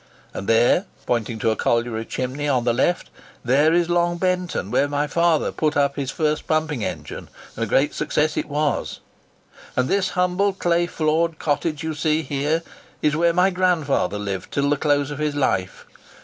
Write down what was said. And there," pointing to a colliery chimney on the left, "there is Long Benton, where my father put up his first pumping engine; and a great success it was. And this humble clay floored cottage you see here, is where my grandfather lived till the close of his life.